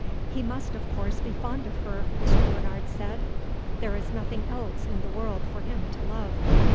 "He must of course be fond of her," Mr. Bernard said; "there is nothing else in the world for him to love."